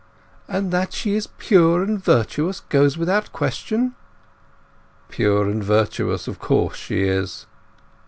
"And that she is pure and virtuous goes without question?" "Pure and virtuous, of course, she is."